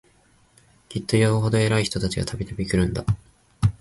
きっとよほど偉い人たちが、度々来るんだ